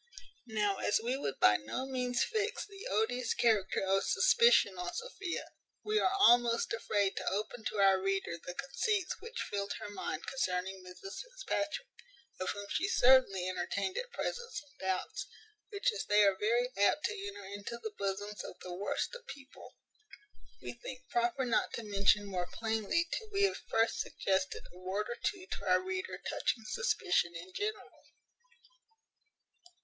Now, as we would by no means fix the odious character of suspicion on Sophia, we are almost afraid to open to our reader the conceits which filled her mind concerning Mrs Fitzpatrick; of whom she certainly entertained at present some doubts; which, as they are very apt to enter into the bosoms of the worst of people, we think proper not to mention more plainly till we have first suggested a word or two to our reader touching suspicion in general.